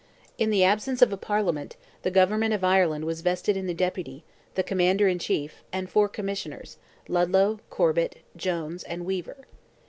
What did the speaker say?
In the absence of a Parliament, the government of Ireland was vested in the Deputy, the Commander in Chief, and four commissioners, Ludlow, Corbett, Jones, and Weaver.